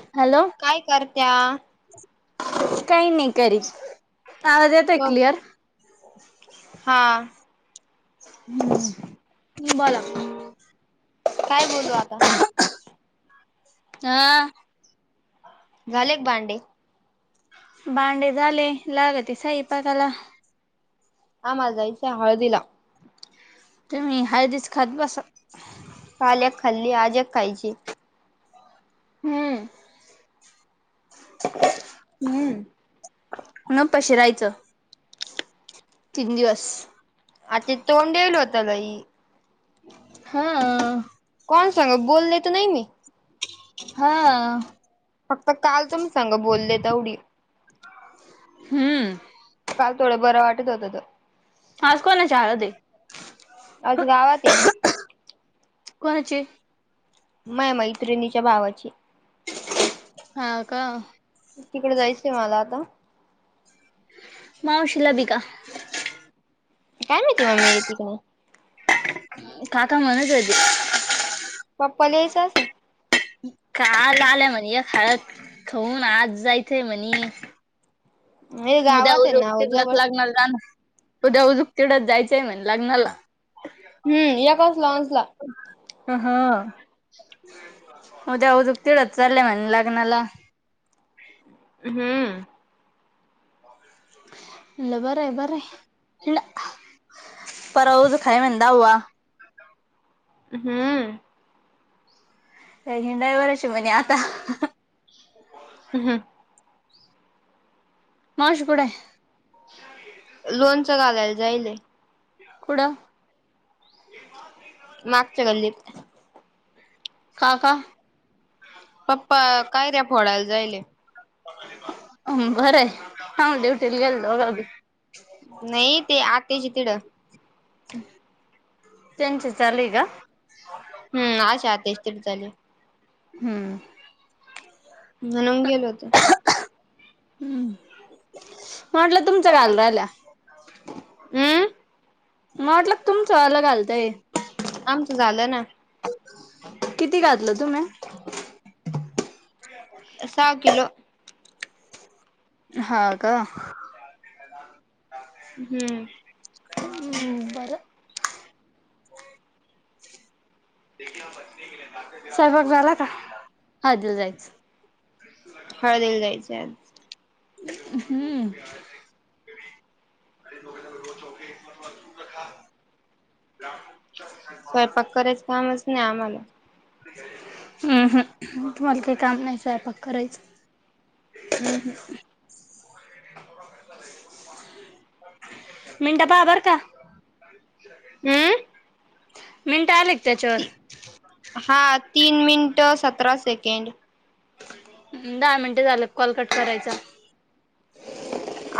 Hello काय करत्या. काही नाही करीच आवाज येतोय क क्लिअर. हा आ. तुम्ही बोला. काय बोलू आता. हआआआ. झालेत भांडे. भांडे झाले लागते साईपाकाला. आमाला जायचय हळदीला. तुम्ही हळदीच खात बसा. काल एक खाल्ली आज एक खायची. हम्म हम्म न पशिरायचं तीन दिवस. आता तोंड धुवल होता लई. हाआआ. कोण संगत बोलले त नाही मी. हाआआ. फक्त काल तुम संग बोलले तेवढी. हम्म काल थोडं बरं वाटत होतं त. आज कोणाची हळदये. आज गावातये. कोणाची. माया मैत्रिणीच्या भावाची. हा का. तिकडे जायचंय मला आता. मावशीला बिका. काय माहिती मम्मी येते का नाई. काका म्हणत होते. पलेचासा. काल आलंय म्हणी ये हळद‌ खाऊन आज जायचंय म्हणे हे उद्या गावात आहे उजूक ना जवळ तिकडत लागणार जाणं उद्या उजूक तिकड जायचं ते म्हणले मला. हम्म या काजला नसला. अहाहा. उद्या उदक तिकडच चाललंय म्हण लग्नाला. हम्म बरंय बरंय ल [unintelligible] हम्म काय हिंडाय वर्ष म्हणे आता अहमम. मावशी कुठेय? लोनचं घालायला जाईलेय. कुठं? मागच्या गल्लीत... काका पप्पा काय कैऱ्या फोडायला जायला लागले.. बरं हां देवटीला गेलतो बघा बी... नाही ते आतेची तिडं.... त्यांचं चाले का? हम्म आशा आता यश तच चाले... हम्म म्हणून गेलो होतो. हम् म्हटलं तुमचं घालून राहिल्या. हम्... म्हटलं तुमचं आलं घालतंय. आमचं झालं ना... किती घातलं तुम्ही.. सहा किलो... हा का? हम्म... हम्म बरं... सहभाग झाला का हजला जायचं... हळदीला जायचे आज... हम्म... [unintelligible] स्वयंपाक करायचं कामच नाही आम्हाला... हम्म हम तुम्हाला काही काम नाही स्वयंपाक करायचं. हम् हम्म.. मिनटा पहा बर का... हम्म.. मिनटं आली का त्याच्यावर.. हा तीन मिनटं सतरा सेकंड.. दहा मिनटे झालं कॉल कट करायचा..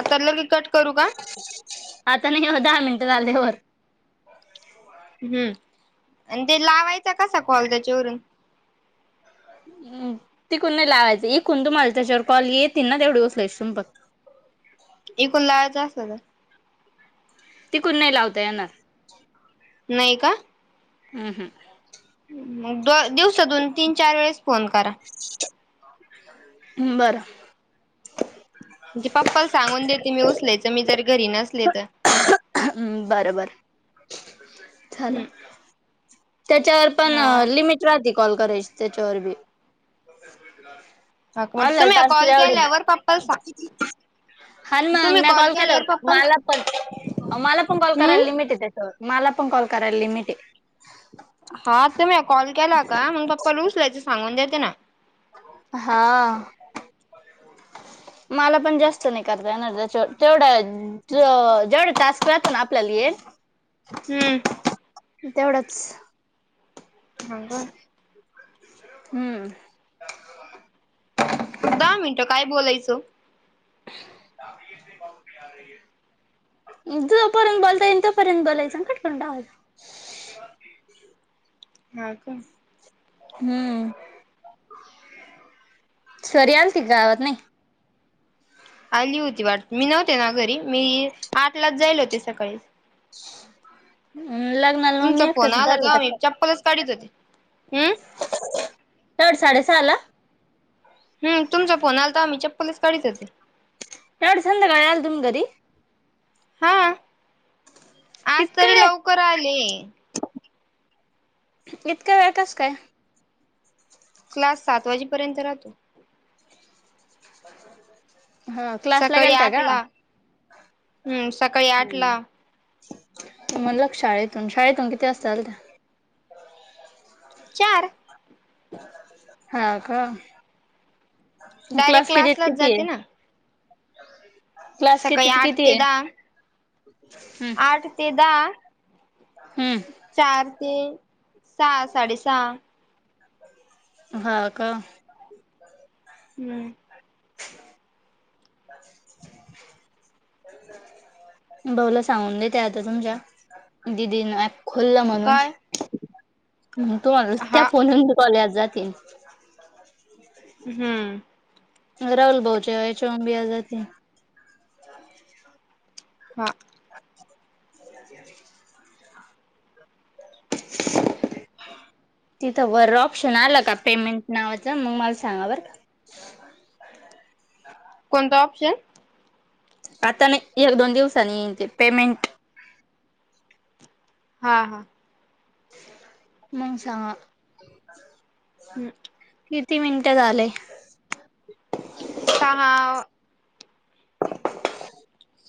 आता लगे कट करू का? आता नाही हो दहा मिनटं झाल्यावर.. हम्म आणि ते लावायचा कसा कॉल त्याच्यावरून.... तिकून नाही लावायचं इकून तुम्हाला त्याच्यावर कॉल येतील ना तेवढी उचलायचे तुम्ही फक्त... [unintelligible] एकूण लाळचं असत तर... तिकुण नय लावता येणार... नय का? हम् हमं.. मग दो दिवसा दोन तीन चार वेळेस फोन करा. हम्म बरं म्हणजे पप्पाला सांगून देते मी उचलायच मी जर घरी नसले तर... ह् बरबर झालं... त्याच्यावर पण हा लिमिट राहती कॉल करायची त्याच्यावर बी... मग आल तुम्ही कॉल टास्कल्या ओढून... केल्यावर पप्पाला सांग हॅलो तुम्ही मॅमनी कॉल केला केल्यावर होता पप्पाला मालापण मालापण कॉल कराय लिमिट हम्म हाय त्याच्यावर.... मला पण कॉल कराय लिमिटे आहे. हा तुमी कॉल केला का मग पप्पाला उचलायचं सांगून देते ना.. हा... मला पण जास्त नाही करत येणार त्या तेवढ ज जेवढ टास्क राहतेल ना आपल्याला हे. हम्म्म हम्म सह थांबा हम्म सो [unintelligible] जोपर्यंत बोलता येईल तोपर्यंत बोलायचं आणि कट करून टाकायचं. हम्म हम्म हा का हम्म सरि आलती गावात की नाही. आली होती वाटत मी नव्हते ना घरी मी. आठलाच जायले होते सकाळी. लग्नाला मग मी तुमचा एकटच फोन आला तेव्हा मी चप्पलच काढीत होते. हम्म तर साडे सहाला. हम्म तुमचा फोन आलता तेव्हा चप्पलच काढीत होते. एवढ संध्याकाळ आलं तुम घरी? हा आज इतका तरी लवकर आली. इतकं वेळ कस काय? क्लास सात वाजीपर्यंत राहतो. अ [inaudible] हा क्लासला सकाळी गेलता आठ का? ला हम्म सकाळी आठ ला म्हणल शाळेतून शाळेतून किती वासता आलता. चार हा का. डायरेक्ट क्लास किती ते क्लासलाच कितीय? जाते ना क्लास सकाळी किती ते आठ कितीय? दहा आठ ते दहा. हम्म चार ते सहा साडे सहा. हा का. हम्म [unintelligible] भाऊला सांगून दे ते आता तुमच्या दिदीना [unintelligible] खुल्लं म्हणून. काय तू त्या हा फोनून कॉले जातील. हम्म राहुल भाऊच्या [unintelligible] हा [inaudible] तिथं वर ऑप्शन आल का पेमेंट? नावाचं मग मला सांगा बर का. कोणता ऑप्शन? आता नाही एक दोन दिवसानी येईल ते पेमेंट. हा हां मगं सांगा? हम् किती मिनिटं झालेय. सहा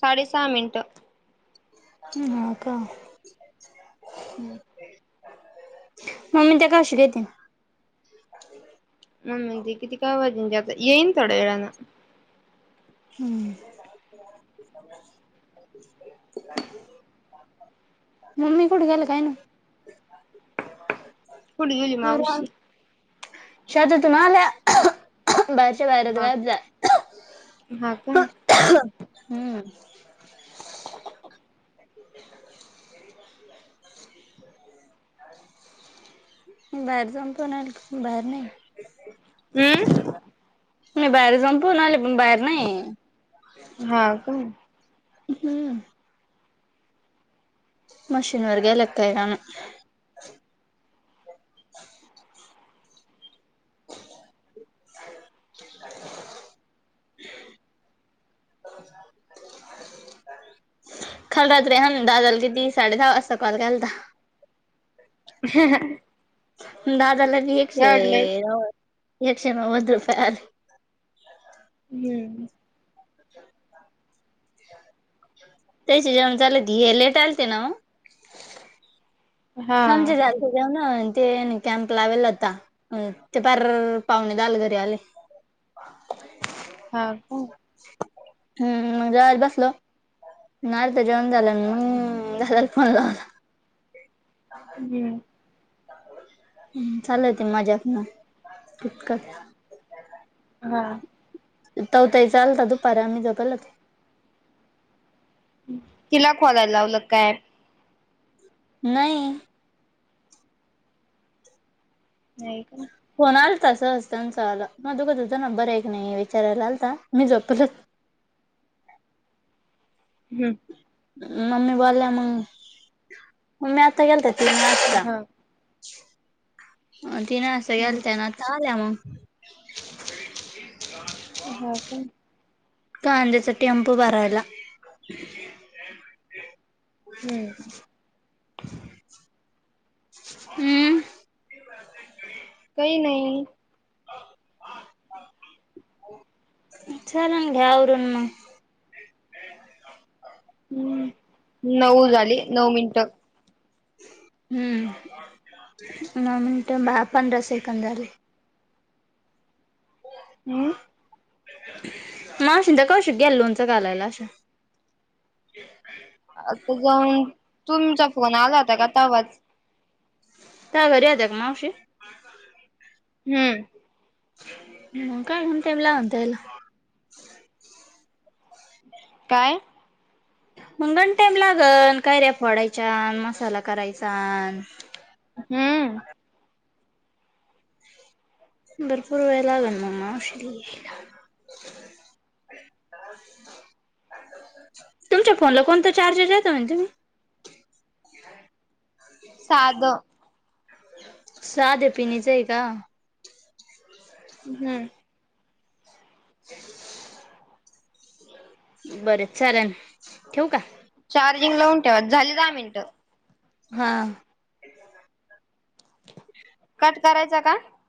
साडे सहा मिनिटं ह्म हा का? हम्म. मम्मी त्या काशि देतील. मम्मी तेन किती काय वाजुन देत, येईन थोड्या वेळान. हम्म. मम्मी कुठे गेली काय माहित? कुठे गेली मावशी? शेतातुन आल्या बाहेरच्या बाहेरच हा गायब झाल्या. हा का हम्म. [inaudible] बाहेर जाऊन पण आली, बाहेर नाही. उम्. मी बाहेर जावुनपण आले, पण बाहेर नाहीए. हा का? हुं. मशीन वर गेल्यात काय काम हाय? [unintelligible] काल रात्री हां दादाला किती? साडे दहा वाजता कॉल केलता. ह [inaudible] दादाला बि एकशे अ नव्वद एकशे नव्वद. पयार [unintelligible] हुम. त्याच्या जन्म झाला कि, हे लेट आलते ना वो. हा हम चे झालते जेवनावळी ते नी कॅम्प लावेल होता, अ ते पार पावणे दहाला घरी आले. ह [unintelligible] हा. का. हम्म मग जेवायला बसलो. नाय त्याच्या जेवण झालं मी दादाला फोन लावला. हम्म. हम् चालंय ते मजाक न तितकच. हा. तवा ताईचा आलता दुपारी आम्ही झोपलो होतो. तिला खोलायला लावलं काय. नाही. नाही का. फोन आलता सहज त्यांच आला. मग अगोदर त्यांचा नंबर एक नाही विचारायला आलता मी झोपलोच. आवाज नाही जायचं [unintelligible] हम्म. मम्मी बोलल्या मग. मम्मी आता गेल्त्या. हा. अ तिन सगळ्या हम्म आलत्या ना आता आल्या मग. ह का. कांद्याचा टेम्पो भरायला. हम्म. [unintelligible] हम्म. काही नाही. [unintelligible] चालण घ्या आवरून म हम्म नऊ झाली नऊ मिनिट. हम्म. नऊ मिनिट पंधरा सेकंड झाले. हम्म. मावशींत्या कौशिक गेल्या लोणच घालायला अश्या, आता जाऊन तुमचा फोन आला होता तवाज. तु या घरी होत्या का मावशी. हम्म.. [unintelligible] काय? मंगण टाइम लागल कैऱ्या फोडयाच्यान मसाला करायचा. [inaudible] हम्म. भरपूर वेळ लागल म्ग [unintelligible] तुमच्या फोनला कोणता चार्जर येत म्हने तुम्ही. [inaudible] साध साध पिण्याच का? हम्म. [inaudible] बर चालेन ठेवू का? चार्जिंग लावून ठेवा झाली दहा मिनिट. हा, कट करायचा का?